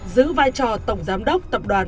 giữ vai trò tổng giám đốc tập đoàn